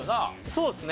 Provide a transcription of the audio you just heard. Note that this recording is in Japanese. そうですね。